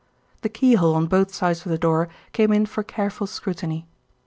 The keyhole on both sides of the door came in for careful scrutiny.